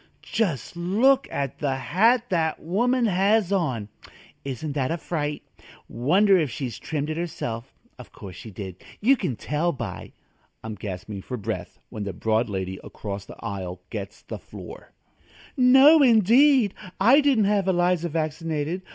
just look at the hat that woman has on! Isn't that a fright? Wonder if she trimmed it herself. Of course she did; you can tell by " I'm gasping for breath when the broad lady across the aisle gets the floor: "No, indeed! I didn't have Eliza vaccinated.